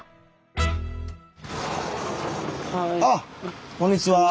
あっこんにちは。